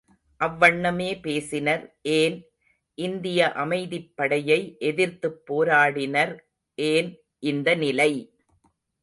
அவ்வண்ணமே பேசினர் ஏன், இந்திய அமைதிப்படையை எதிர்த்துப் போராடினர் ஏன் இந்த நிலை?